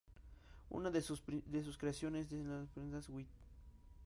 Una de sus creaciones son las prendas wit.